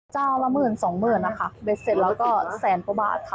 เจ้าละหมื่นสองหมื่นนะคะเบ็ดเสร็จแล้วก็แสนกว่าบาทค่ะ